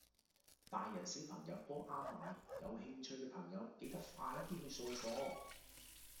大人小朋友都啱買，有興趣嘅朋友記得快啲去掃貨